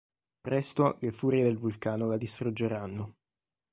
Presto le furie del vulcano la distruggeranno.